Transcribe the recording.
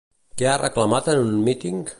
Què ha reclamat en un míting?